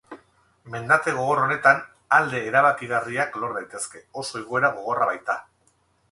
Mendate gogor honetan alde erabakigarriak lor daitezke, oso igoera gogorra baita.